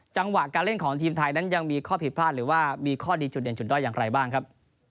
จังหวะการเล่นของทีมไทยนั้นยังมีข้อผิดพลาดหรือว่ามีข้อดีจุดเด่นจุดด้อยอย่างไรบ้างครับ